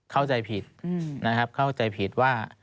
เข้าใจผิดนะครับเข้าใจผิดว่า